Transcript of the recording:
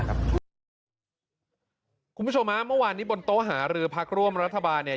คุณผู้ชมฮะเมื่อวานนี้บนโต๊ะหารือพักร่วมรัฐบาลเนี่ย